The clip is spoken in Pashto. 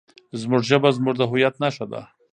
زموږ ژبه زموږ د هویت نښه ده.